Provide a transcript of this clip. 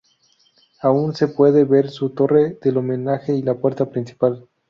Aún se puede ver su torre del homenaje y la puerta principal.